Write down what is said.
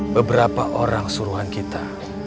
beberapa orang suruhan kita